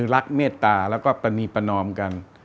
รักเมตตาและประนีประนอมกัน